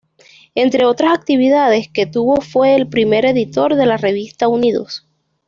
Entre otras actividades que tuvo fue el primer editor de la revista "Unidos".